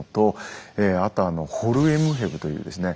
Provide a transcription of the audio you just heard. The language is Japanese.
あとあのホルエムヘブというですね